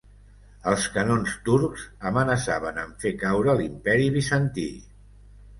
Els canons turcs amenaçaven amb fer caure l'imperi bizantí.